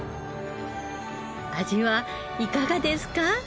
味はいかがですか？